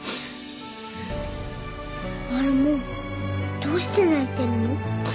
マルモどうして泣いてるの？